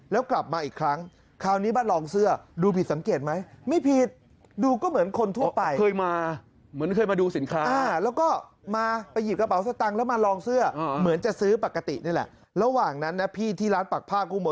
แล้วกลับมาอีกครั้งคราวนี้มาลองเสื้อดูผิดสังเกตไหม